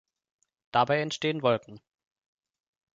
Dabei entstehen Wolken.